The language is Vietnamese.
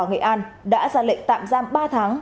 nghệ an đã ra lệnh tạm giam ba tháng